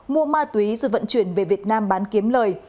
mua ma túy rồi vận chuyển về việt nam bán kiếm lời